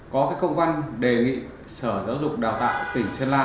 có công an đề nghị sở giáo dục đào tạo tỉnh sơn la